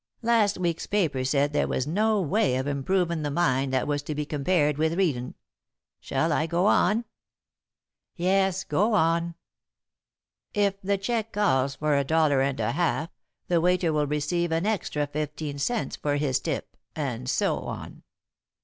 "Last week's paper said there was no way of improvin' the mind that was to be compared with readin'. Shall I go on?" "Yes go on." "'If the check calls for a dollar and a half, the waiter will receive an extra fifteen cents for his tip, and so on.